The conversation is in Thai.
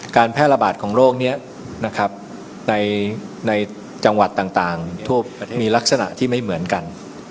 การแพร่ระบาดของโรคนี้นะครับในจังหวัดต่างทั่วมีลักษณะที่ไม่เหมือนกัน